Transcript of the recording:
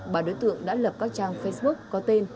bà đối tượng đã lập các trang facebook có tên